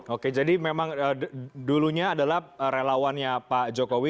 oke jadi memang dulunya adalah relawannya pak jokowi